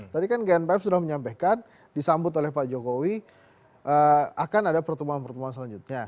tadi kan gnpf sudah menyampaikan disambut oleh pak jokowi akan ada pertemuan pertemuan selanjutnya